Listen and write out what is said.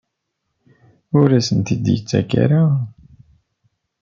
Ur asent-t-id-yettak ara?